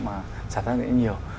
mà sản phẩm rất là nhiều